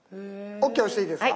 「ＯＫ」押していいですか？